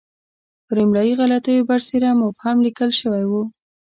پر املایي غلطیو برسېره مبهم لیکل شوی وو.